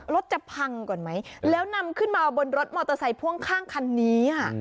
รถจะพังก่อนไหมแล้วนำขึ้นมาบนรถมอเตอร์ไซค์พ่วงข้างคันนี้